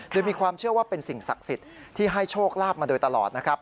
โดยมีความเชื่อว่าเป็นสิ่งศักดิ์สิทธิ์ที่ให้โชคลาภมาโดยตลอดนะครับ